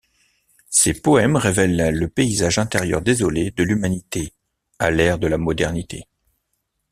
Ses poèmes révèlent le paysage intérieur désolé de l'humanité à l'ère de la modernité.